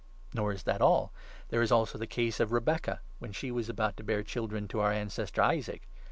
Nor is that all. There is also the case of Rebecca, when she 10 was about to bear children to our ancestor Isaac.